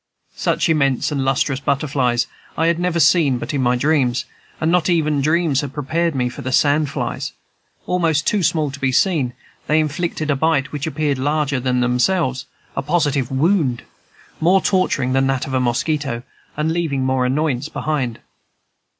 Such immense and lustrous butterflies I had never seen but in dreams; and not even dreams had prepared me for sand flies. Almost too small to be seen, they inflicted a bite which appeared larger than themselves, a positive wound, more torturing than that of a mosquito, and leaving more annoyance behind.